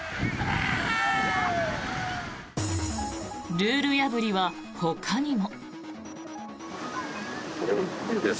ルール破りはほかにも。